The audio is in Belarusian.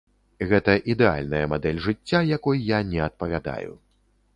Гэта ідэальная мадэль жыцця, якой я не адпавядаю.